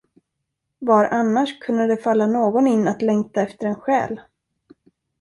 Var annars kunde det falla någon in att längta efter en själ?